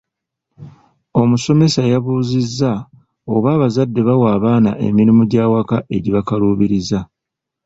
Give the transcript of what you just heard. Omusomesa yabuuzizza oba abazadde bawa abaana emirimu gy'awaka egibakaluubiriza.